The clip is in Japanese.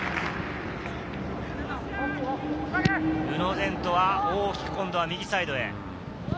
宇野禅斗は大きく今度は右サイドへ。